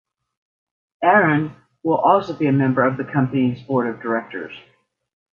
Aron will also be a member of the company's board of directors.